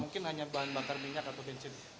mungkin hanya bahan bakar minyak atau bensin